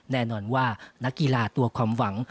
แน่นอนว่านักกีฬาตัวความหวัง